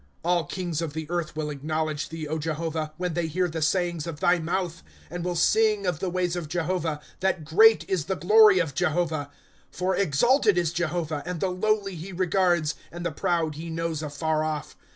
* All kings of the earth will acknowledge thee, Jehavah, When they hear the sayings of thy mouth ;^ And will sing of the ways of Jehovah, That great is the glory of Jehovah. * For exalted ia Jehovah ; and the lowly he regards ; And the proud he knows afar off.